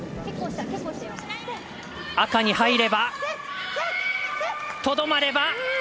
赤に入れば、とどまれば。